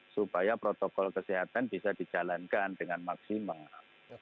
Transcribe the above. supaya protokol kesehatan bisa dijalankan dengan maksimal